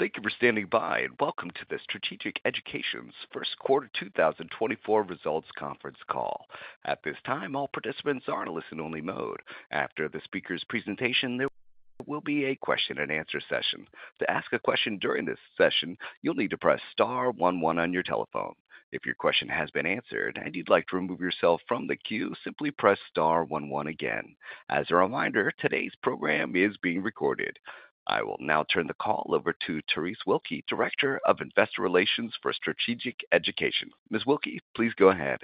Thank you for standing by and welcome to this Strategic Education's First Quarter 2024 Results Conference call. At this time, all participants are in listen-only mode. After the speaker's presentation, there will be a question-and-answer session. To ask a question during this session, you'll need to press star one one on your telephone. If your question has been answered and you'd like to remove yourself from the queue, simply press star one one again. As a reminder, today's program is being recorded. I will now turn the call over to Terese Wilke, Director of Investor Relations for Strategic Education. Ms. Wilke, please go ahead.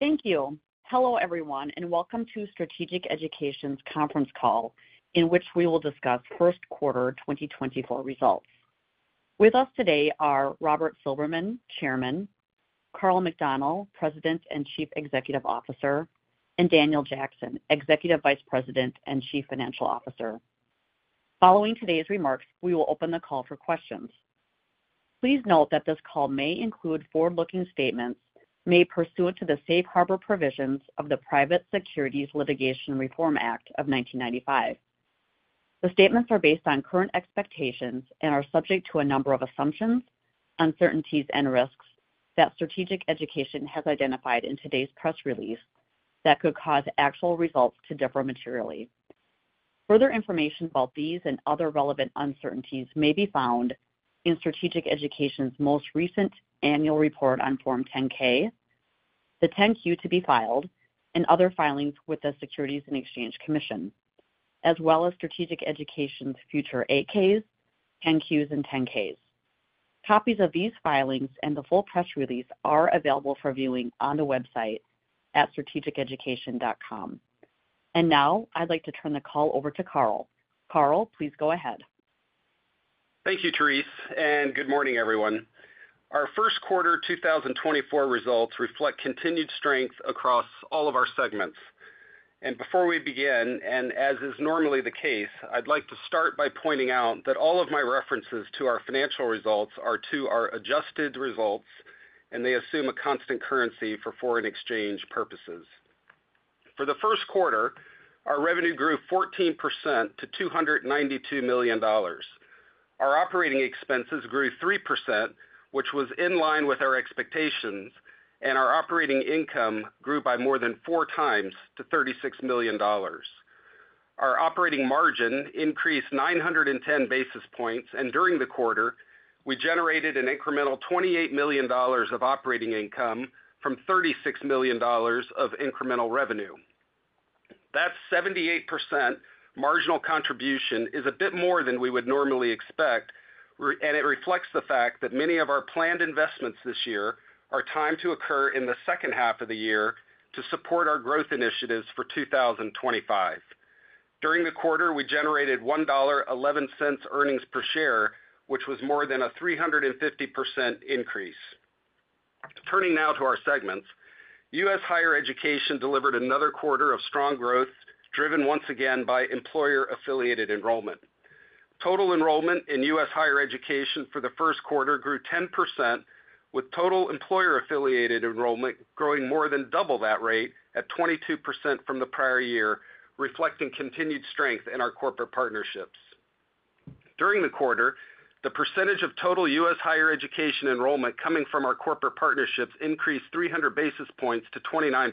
Thank you. Hello everyone, and welcome to Strategic Education's conference call in which we will discuss First Quarter 2024 results. With us today are Robert Silberman, Chairman; Karl McDonnell, President and Chief Executive Officer; and Daniel Jackson, Executive Vice President and Chief Financial Officer. Following today's remarks, we will open the call for questions. Please note that this call may include forward-looking statements made pursuant to the Safe Harbor provisions of the Private Securities Litigation Reform Act of 1995. The statements are based on current expectations and are subject to a number of assumptions, uncertainties, and risks that Strategic Education has identified in today's press release that could cause actual results to differ materially. Further information about these and other relevant uncertainties may be found in Strategic Education's most recent annual report on Form 10-K, the 10-Q to be filed, and other filings with the Securities and Exchange Commission, as well as Strategic Education's future 8-Ks, 10-Qs, and 10-Ks. Copies of these filings and the full press release are available for viewing on the website at strategiceducation.com. Now I'd like to turn the call over to Karl. Karl, please go ahead. Thank you, Terese, and good morning everyone. Our First Quarter 2024 results reflect continued strength across all of our segments. Before we begin, and as is normally the case, I'd like to start by pointing out that all of my references to our financial results are to our adjusted results, and they assume a constant currency for foreign exchange purposes. For the first quarter, our revenue grew 14% to $292 million. Our operating expenses grew 3%, which was in line with our expectations, and our operating income grew by more than 4x to $36 million. Our operating margin increased 910 basis points, and during the quarter, we generated an incremental $28 million of operating income from $36 million of incremental revenue. That 78% marginal contribution is a bit more than we would normally expect, and it reflects the fact that many of our planned investments this year are timed to occur in the second half of the year to support our growth initiatives for 2025. During the quarter, we generated $1.11 earnings per share, which was more than a 350% increase. Turning now to our segments, U.S. higher education delivered another quarter of strong growth, driven once again by employer-affiliated enrollment. Total enrollment in U.S. higher education for the first quarter grew 10%, with total employer-affiliated enrollment growing more than double that rate at 22% from the prior year, reflecting continued strength in our corporate partnerships. During the quarter, the percentage of total U.S. higher education enrollment coming from our corporate partnerships increased 300 basis points to 29%.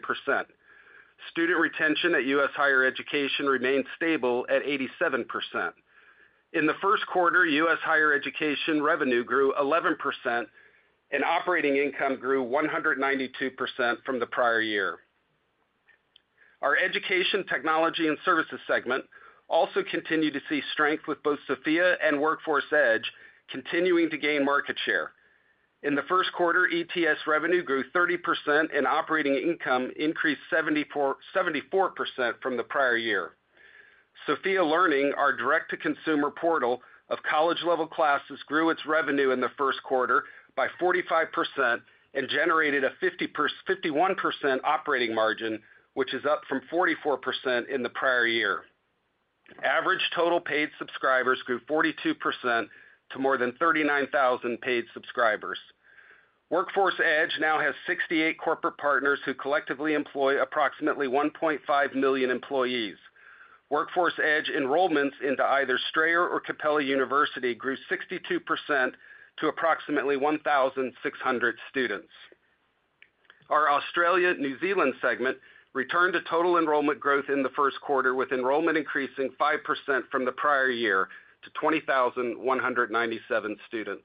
Student retention at U.S. higher education remained stable at 87%. In the first quarter, U.S. higher education revenue grew 11%, and operating income grew 192% from the prior year. Our education, technology, and services segment also continue to see strength, with both Sophia and Workforce Edge continuing to gain market share. In the first quarter, ETS revenue grew 30%, and operating income increased 74% from the prior year. Sophia Learning, our direct-to-consumer portal of college-level classes, grew its revenue in the first quarter by 45% and generated a 51% operating margin, which is up from 44% in the prior year. Average total paid subscribers grew 42% to more than 39,000 paid subscribers. Workforce Edge now has 68 corporate partners who collectively employ approximately 1.5 million employees. Workforce Edge enrollments into either Strayer or Capella University grew 62% to approximately 1,600 students. Our Australia/New Zealand segment returned to total enrollment growth in the first quarter, with enrollment increasing 5% from the prior year to 20,197 students.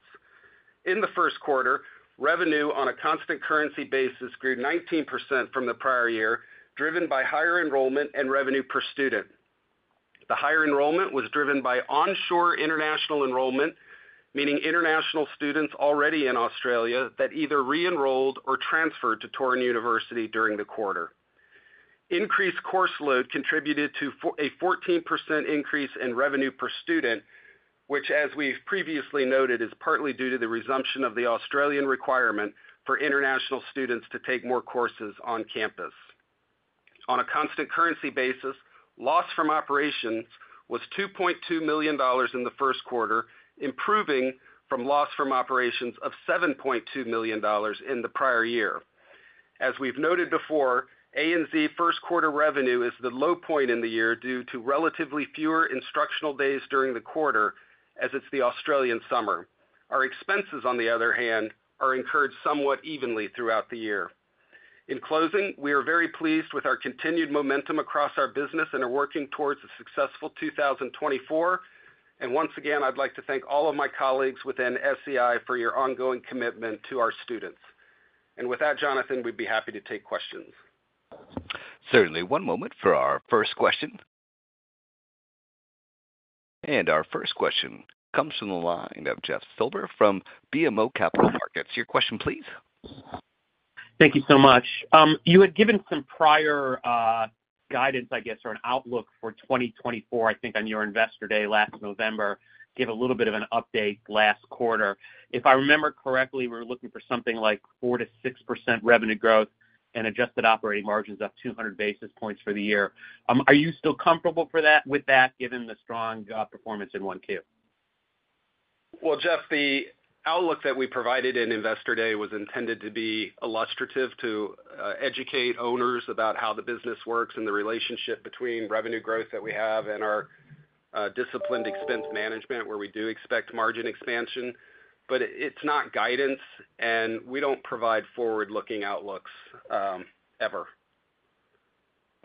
In the first quarter, revenue on a constant currency basis grew 19% from the prior year, driven by higher enrollment and revenue per student. The higher enrollment was driven by onshore international enrollment, meaning international students already in Australia that either re-enrolled or transferred to Torrens University during the quarter. Increased course load contributed to a 14% increase in revenue per student, which, as we've previously noted, is partly due to the resumption of the Australian requirement for international students to take more courses on campus. On a constant currency basis, loss from operations was $2.2 million in the first quarter, improving from loss from operations of $7.2 million in the prior year. As we've noted before, A&Z first quarter revenue is the low point in the year due to relatively fewer instructional days during the quarter, as it's the Australian summer. Our expenses, on the other hand, are incurred somewhat evenly throughout the year. In closing, we are very pleased with our continued momentum across our business and are working towards a successful 2024. And once again, I'd like to thank all of my colleagues within SEI for your ongoing commitment to our students. And with that, Jonathan, we'd be happy to take questions. Certainly. One moment for our first question. Our first question comes from the line of Jeff Silber from BMO Capital Markets. Your question, please. Thank you so much. You had given some prior guidance, I guess, or an outlook for 2024, I think, on your Investor Day last November, gave a little bit of an update last quarter. If I remember correctly, we were looking for something like 4%-6% revenue growth and adjusted operating margins up 200 basis points for the year. Are you still comfortable with that, given the strong performance in 1Q? Well, Jeff, the outlook that we provided in Investor Day was intended to be illustrative, to educate owners about how the business works and the relationship between revenue growth that we have and our disciplined expense management, where we do expect margin expansion. But it's not guidance, and we don't provide forward-looking outlooks ever.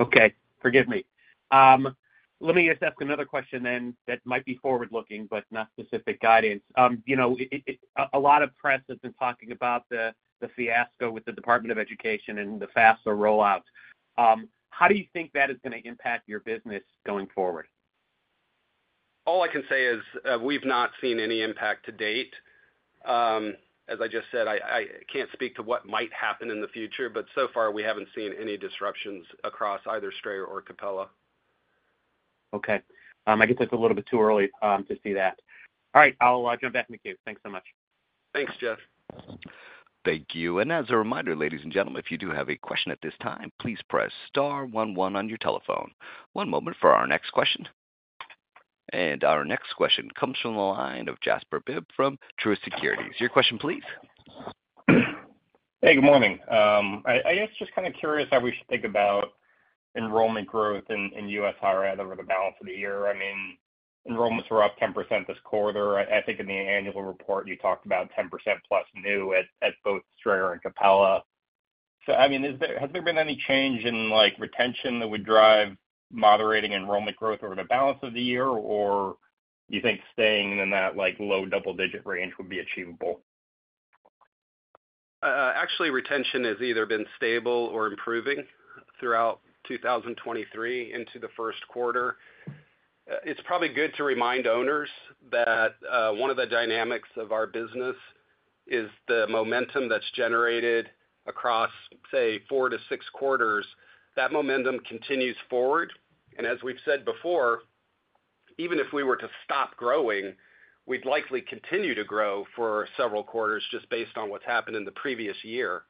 Okay. Forgive me. Let me just ask another question then that might be forward-looking but not specific guidance. A lot of press has been talking about the fiasco with the Department of Education and the FAFSA rollout. How do you think that is going to impact your business going forward? All I can say is we've not seen any impact to date. As I just said, I can't speak to what might happen in the future, but so far we haven't seen any disruptions across either Strayer or Capella. Okay. I guess it's a little bit too early to see that. All right. I'll jump back in the queue. Thanks so much. Thanks, Jeff. Thank you. As a reminder, ladies and gentlemen, if you do have a question at this time, please press star one one on your telephone. One moment for our next question. Our next question comes from the line of Jasper Bibb from Truist Securities. Your question, please. Hey, good morning. I guess just kind of curious how we should think about enrollment growth in U.S. higher ed over the balance of the year. I mean, enrollments were up 10% this quarter. I think in the annual report, you talked about 10% plus new at both Strayer and Capella. So I mean, has there been any change in retention that would drive moderating enrollment growth over the balance of the year, or do you think staying in that low double-digit range would be achievable? Actually, retention has either been stable or improving throughout 2023 into the first quarter. It's probably good to remind owners that one of the dynamics of our business is the momentum that's generated across, say, 4-6 quarters. That momentum continues forward. And as we've said before, even if we were to stop growing, we'd likely continue to grow for several quarters just based on what's happened in the previous year.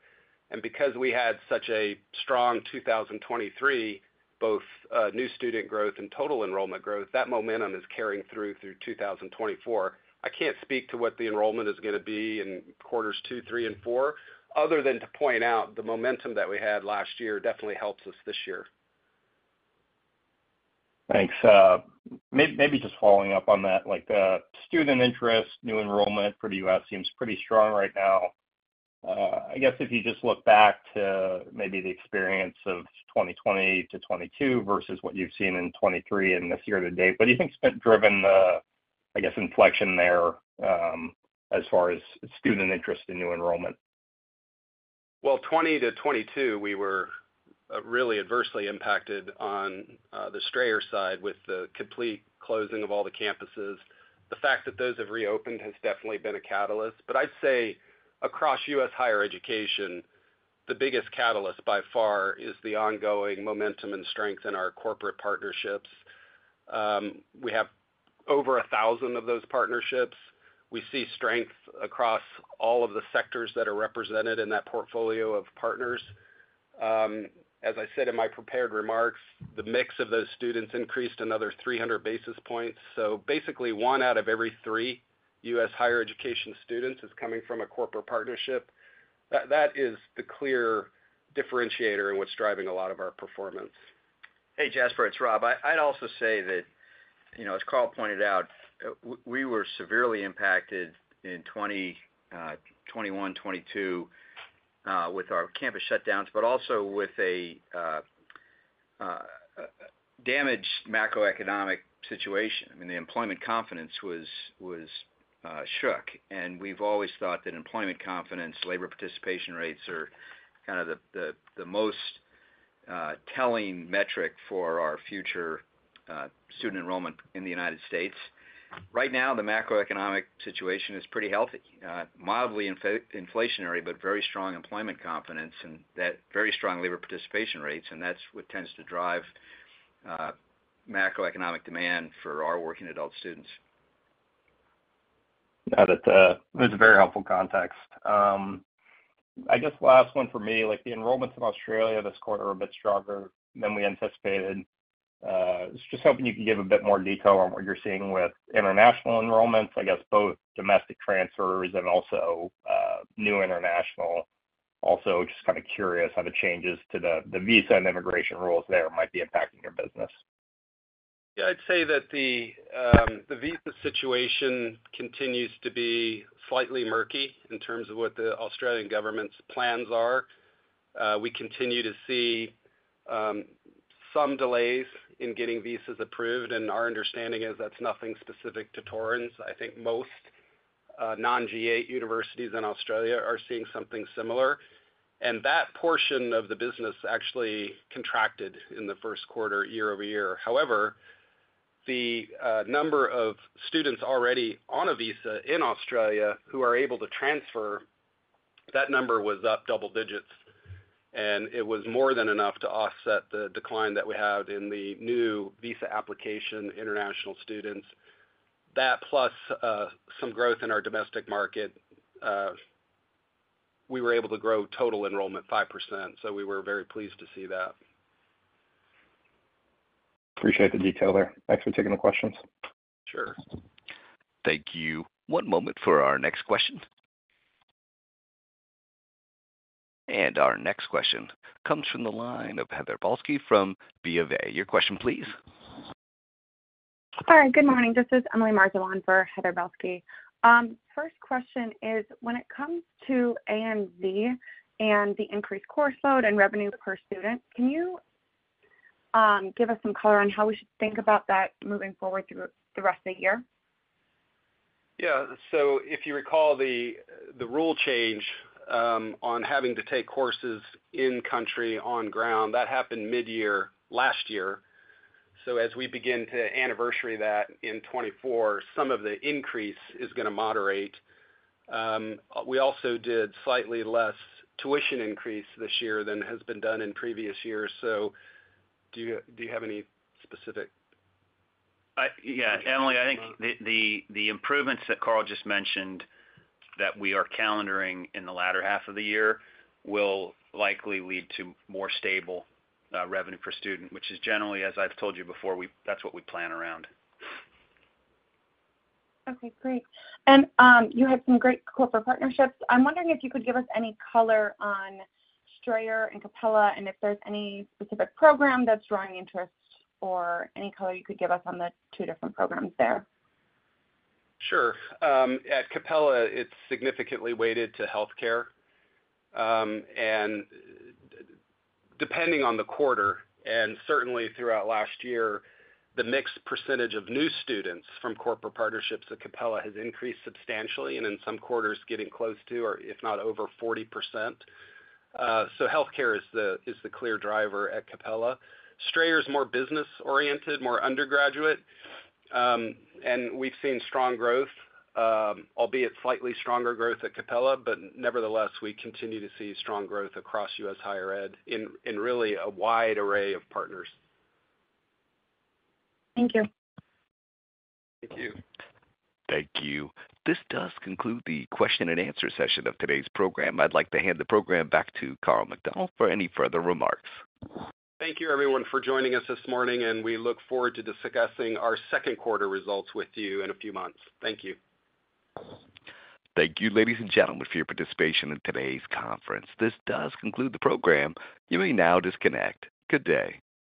And because we had such a strong 2023, both new student growth and total enrollment growth, that momentum is carrying through 2024. I can't speak to what the enrollment is going to be in quarters 2, 3, and 4, other than to point out the momentum that we had last year definitely helps us this year. Thanks. Maybe just following up on that, the student interest, new enrollment for the U.S. seems pretty strong right now. I guess if you just look back to maybe the experience of 2020 to 2022 versus what you've seen in 2023 and this year to date, what do you think's been driving, I guess, inflection there as far as student interest in new enrollment? Well, 2020 to 2022, we were really adversely impacted on the Strayer side with the complete closing of all the campuses. The fact that those have reopened has definitely been a catalyst. But I'd say across U.S. higher education, the biggest catalyst by far is the ongoing momentum and strength in our corporate partnerships. We have over 1,000 of those partnerships. We see strength across all of the sectors that are represented in that portfolio of partners. As I said in my prepared remarks, the mix of those students increased another 300 basis points. So basically, one out of every three U.S. higher education students is coming from a corporate partnership. That is the clear differentiator in what's driving a lot of our performance. Hey, Jasper, it's Rob. I'd also say that, as Karl pointed out, we were severely impacted in 2021, 2022 with our campus shutdowns, but also with a damaged macroeconomic situation. I mean, the employment confidence was shook. And we've always thought that employment confidence, labor participation rates are kind of the most telling metric for our future student enrollment in the United States. Right now, the macroeconomic situation is pretty healthy: mildly inflationary, but very strong employment confidence and very strong labor participation rates. And that's what tends to drive macroeconomic demand for our working adult students. That's a very helpful context. I guess last one for me, the enrollments in Australia this quarter are a bit stronger than we anticipated. Just hoping you can give a bit more detail on what you're seeing with international enrollments, I guess both domestic transfers and also new international. Also just kind of curious how the changes to the visa and immigration rules there might be impacting your business? Yeah, I'd say that the visa situation continues to be slightly murky in terms of what the Australian government's plans are. We continue to see some delays in getting visas approved, and our understanding is that's nothing specific to Torrens. I think most non-G8 universities in Australia are seeing something similar. And that portion of the business actually contracted in the first quarter, year-over-year. However, the number of students already on a visa in Australia who are able to transfer, that number was up double digits. And it was more than enough to offset the decline that we had in the new visa application, international students. That plus some growth in our domestic market, we were able to grow total enrollment 5%. So we were very pleased to see that. Appreciate the detail there. Thanks for taking the questions. Sure. Thank you. One moment for our next question. Our next question comes from the line of Heather Balsky from B of A. Your question, please. Hi, good morning. This is Emilie Marzin for Heather Balsky. First question is, when it comes to A&Z and the increased course load and revenue per student, can you give us some color on how we should think about that moving forward through the rest of the year? Yeah. So if you recall the rule change on having to take courses in-country, on-ground, that happened mid-year last year. So as we begin to anniversary that in 2024, some of the increase is going to moderate. We also did slightly less tuition increase this year than has been done in previous years. So do you have any specific? Yeah, Emilie, I think the improvements that Karl just mentioned that we are calendaring in the latter half of the year will likely lead to more stable revenue per student, which is generally, as I've told you before, that's what we plan around. Okay, great. You had some great corporate partnerships. I'm wondering if you could give us any color on Strayer and Capella and if there's any specific program that's drawing interest or any color you could give us on the two different programs there? Sure. At Capella, it's significantly weighted to healthcare. Depending on the quarter and certainly throughout last year, the mixed percentage of new students from corporate partnerships at Capella has increased substantially and in some quarters getting close to, or if not over, 40%. So healthcare is the clear driver at Capella. Strayer's more business-oriented, more undergraduate. We've seen strong growth, albeit slightly stronger growth at Capella, but nevertheless, we continue to see strong growth across U.S. higher ed in really a wide array of partners. Thank you. Thank you. Thank you. This does conclude the question-and-answer session of today's program. I'd like to hand the program back to Karl McDonnell for any further remarks. Thank you, everyone, for joining us this morning, and we look forward to discussing our second quarter results with you in a few months. Thank you. Thank you, ladies and gentlemen, for your participation in today's conference. This does conclude the program. You may now disconnect. Good day.